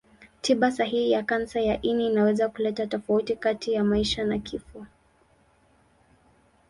Tiba sahihi ya kansa ya ini inaweza kuleta tofauti kati ya maisha na kifo.